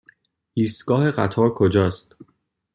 ایستگاه قطار کجاست؟